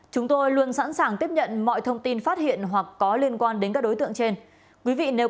chúng tôi luôn sẵn sàng tiếp nhận mọi thông tin phát hiện hoặc có liên quan đến các đối tượng trên